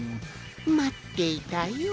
まっていたよ